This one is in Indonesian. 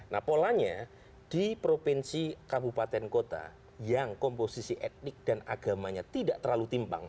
nah polanya di provinsi kabupaten kota yang komposisi etnik dan agamanya tidak terlalu timpang